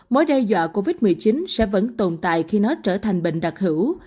mối đe dọa covid một mươi chín sẽ vẫn tồn tại khi nó trở thành bệnh đặc hữu